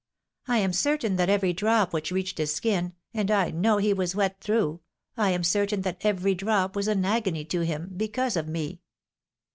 I am certain that every drop which reached his skin — and I know he was wet through — ^I am certain that every drop was an agony to him, because of me."